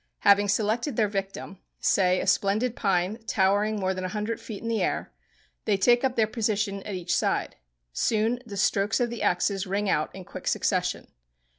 Having selected their victim—say a splendid pine, towering more than a hundred feet in the air—they take up their position at each side. Soon the strokes of the axes ring out in quick succession.